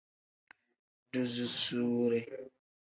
Duzusuure.